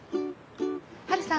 ハルさん。